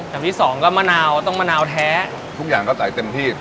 ที่สองก็มะนาวต้องมะนาวแท้ทุกอย่างก็ใส่เต็มที่